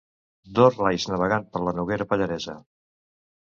Dos rais navegant per la Noguera Pallaresa.